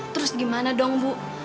terus gimana dong bu